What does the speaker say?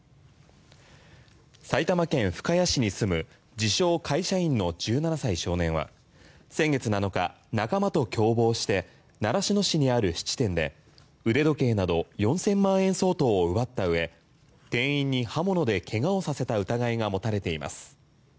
埼玉県深谷市に住む自称・会社員の１７歳少年は先月７日、仲間と共謀して習志野市にある質店で腕時計など４０００万円相当を奪った上店員に刃物で怪我をさせた疑いが持たれています。